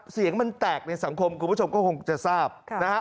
เสียงมันแตกในสังคมคุณผู้ชมก็คงจะทราบนะฮะ